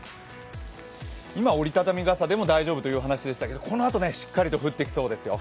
今折り畳み傘でも大丈夫という話でしたけれども、このあとしっかりと降ってきそうですよ。